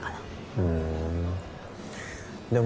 うん？